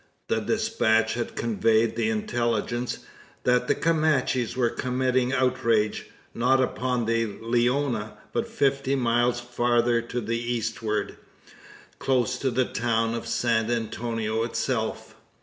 The despatch had conveyed the intelligence, that the Comanches were committing outrage, not upon the Leona, but fifty miles farther to the eastward, close to the town of San Antonio itself.